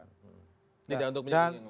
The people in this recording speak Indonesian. tidak untuk menyinggung yang lain